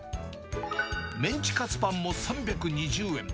メンチカツパンも３２０円。